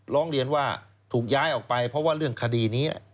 ร้องเรียนว่าถูกย้ายออกไปเพราะว่าเรื่องคดีนี้